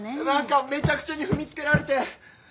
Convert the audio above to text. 何かめちゃくちゃに踏みつけられて。